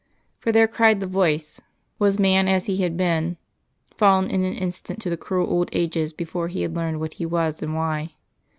For there, cried the voice, was man as he had been, fallen in an instant to the cruel old ages before he had learned what he was and why.